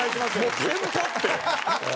もうテンパって。